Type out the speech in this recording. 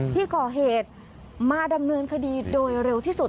ที่ก่อเหตุมาดำเนินคดีโดยเร็วที่สุด